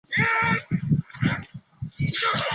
这与汽油的理论比能相媲美。